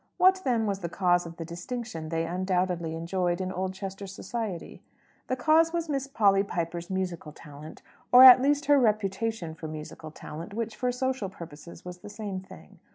What, then, was the cause of the distinction they undoubtedly enjoyed in Oldchester society? The cause was Miss Polly Piper's musical talent or at least her reputation for musical talent, which, for social purposes, was the same thing.